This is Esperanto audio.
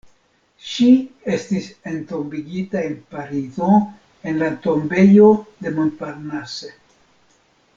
Ŝi estis entombigita en Parizo en la Tombejo de Montparnasse.